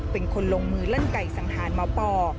เป็นคนลงมือลั่นไก่สังหารหมอปอ